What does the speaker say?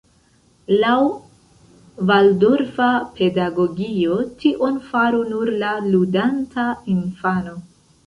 Laŭ valdorfa pedagogio, tion faru nur la ludanta infano.